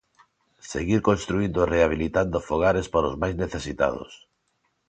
Seguir construíndo e rehabilitando fogares para os máis necesitados.